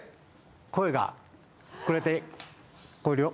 声が遅れて聞こえるよ。